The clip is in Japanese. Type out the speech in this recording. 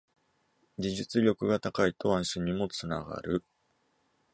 技術力が高いと安心にもつながる